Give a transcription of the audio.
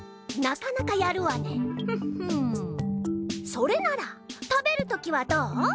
それなら食べるときはどう？